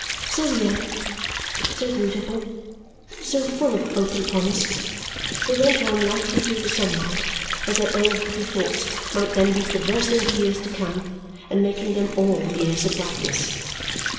So young, so beautiful, so full of hope and promise, they went on lightly through the sunlight as their own happy thoughts might then be traversing the years to come and making them all years of brightness.